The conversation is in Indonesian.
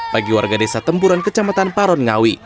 bagi warga desa tempuran kecamatan parongawi